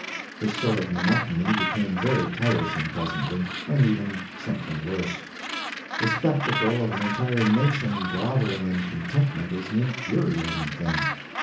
This sort of monotony became very tiresome presently, and even something worse. The spectacle of an entire nation groveling in contentment is an infuriating thing.